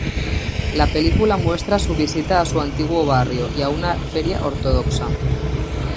La película muestra su visita a su antiguo barrio y a una feria ortodoxa.